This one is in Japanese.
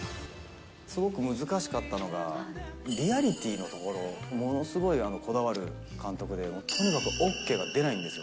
すごく難しかったのが、リアリティーのところ、ものすごいこだわる監督で、とにかくＯＫが出ないんですよ。